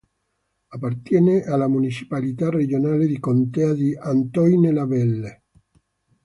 Appartiene alla municipalità regionale di contea di Antoine-Labelle.